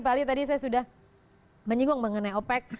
pak ali tadi saya sudah menyinggung mengenai opec